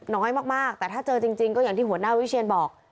น้อยมากแต่ถ้าเจอจริงก็อย่างที่หัวหน้าวิเชียนบอก